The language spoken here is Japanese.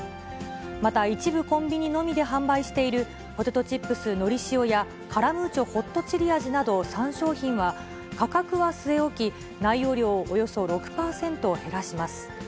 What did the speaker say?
また、一部コンビニのみで販売しているポテトチップスのり塩や、カラムーチョホットチリ味など、３商品は、価格は据え置き、内容量をおよそ６％減らします。